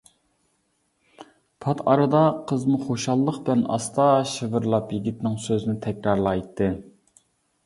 -پات ئارىدا-قىزمۇ خۇشاللىق بىلەن ئاستا شىۋىرلاپ يىگىتنىڭ سۆزىنى تەكرارلايتتى.